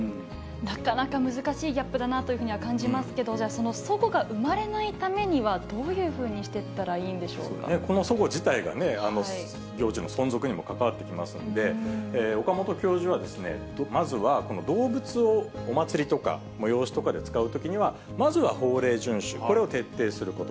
なかなか難しいギャップだなというふうには感じますけど、じゃあ、そのそごが生まれないためにはどういうふうにしていったらいいんそのそご自体が行事の存続にも関わってきますので、岡本教授はまずはこの動物をお祭りとか催しとかで使うときには、まずは法令順守、これを徹底すること。